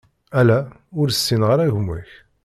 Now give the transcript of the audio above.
Ala, ur ssineɣ ara gma-k.